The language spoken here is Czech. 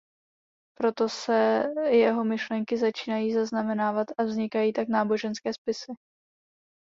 Proto se jeho myšlenky začínají zaznamenávat a vznikají tak náboženské spisy.